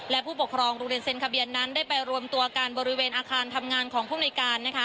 และผู้ปกครองโรงเรียนเซ็นทะเบียนนั้นได้ไปรวมตัวกันบริเวณอาคารทำงานของผู้มนุยการ